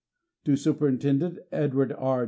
To Superintendent Edward R.